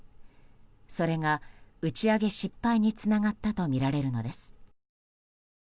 それが打ち上げ失敗につながったとみられるのです。